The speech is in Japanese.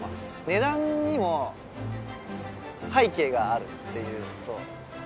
値段にも背景があるっていうそう。